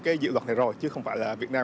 cái dự luật này rồi chứ không phải là việt nam